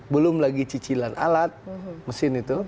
belum lagi cicilan alat mesin itu